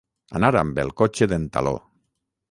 Anar amb el cotxe d'en Taló.